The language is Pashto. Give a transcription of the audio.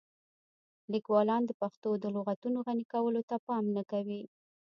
لیکوالان د پښتو د لغتونو غني کولو ته پام نه کوي.